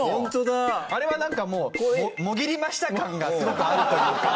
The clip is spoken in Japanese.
あれはなんかもうもぎりました感がすごくあるというか。